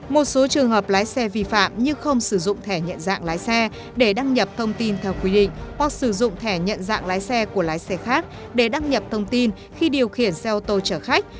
một số trường hợp lái xe vi phạm như không sử dụng thẻ nhận dạng lái xe để đăng nhập thông tin theo quy định hoặc sử dụng thẻ nhận dạng lái xe của lái xe khác để đăng nhập thông tin khi điều khiển xe ô tô chở khách